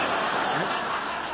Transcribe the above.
えっ？